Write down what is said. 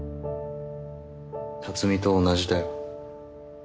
辰巳と同じだよ。